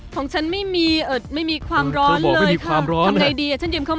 ของฉันไม่มีไม่มีความร้อนเลยค่ะ